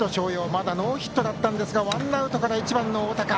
まだノーヒットだったんですがワンアウトから１番の大高。